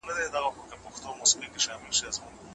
څنګه کولای سو د خپلو سیندونو اوبه په سمه توګه مهار کړو؟